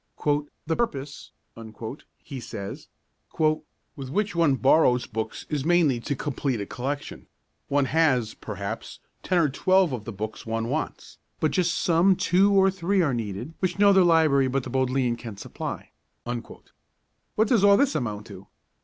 'The purpose,' he says, 'with which one borrows books is mainly to complete a collection: one has, perhaps, ten or twelve of the books one wants, but just some two or three are needed which no other library but the Bodleian can supply'. What does all this amount to?